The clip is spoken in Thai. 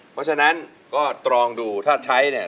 เพราะฉะนั้นก็ตรองดูถ้าใช้เนี่ย